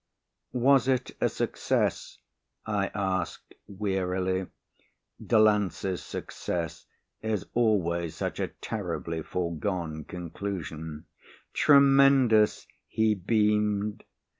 "Was it a success?" I asked wearily (Delancey's success is always such a terribly foregone conclusion). "Tremendous," he beamed.